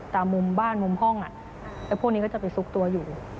ตามมุมบ้านมุมห้องแล้วพวกนี้ก็จะไปซุกตัวอยู่